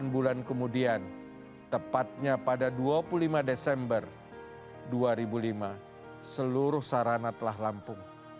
enam bulan kemudian tepatnya pada dua puluh lima desember dua ribu lima seluruh sarana telah lampung